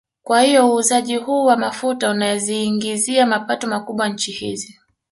Kwa hiyo uuzaji huu wa mafuta unaziingizia mapato makubwa nchi hizi